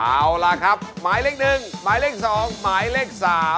เอาล่ะครับหมายเลข๑หมายเลข๒หมายเลข๓